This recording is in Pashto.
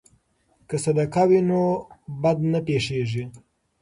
که صدقه وي نو بد نه پیښیږي.